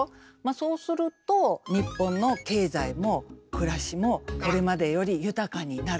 そうすると日本の経済も暮らしもこれまでより豊かになる。